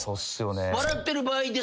『笑ってる場合ですよ！』